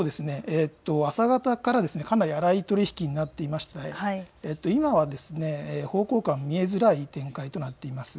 朝方からかなり荒い取り引きになっていまして今は方向感が見えづらい展開となっています。